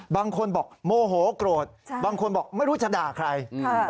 บางคนบอกโมโหโกรธบางคนบอกไม่รู้จะด่าใคร